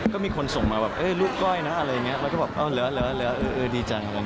ก็มีคนส่งมาว่าลูกก้อยนะเราก็บอกเออและเออเออดีจัง